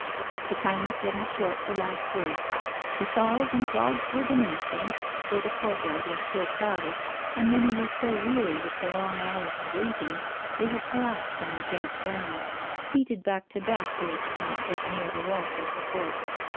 The time was getting short for last words, the Shawls and Clogs were diminishing, though the courtyard was still crowded, and many were so weary with the long hours of waiting they had collapsed on the damp ground, seated back to back, where they could not get near the wall for support.